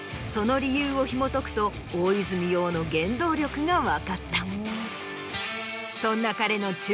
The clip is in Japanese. その理由をひもとくと大泉洋の原動力が分かった。